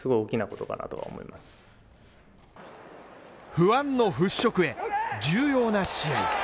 不安の払拭へ重要な試合。